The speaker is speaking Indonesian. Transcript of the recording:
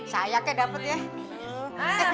wah sayaknya dapet ya